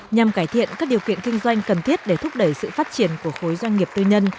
nhằm cải thiện các điều kiện kinh doanh cần thiết để thúc đẩy sự phát triển của khối doanh nghiệp tư nhân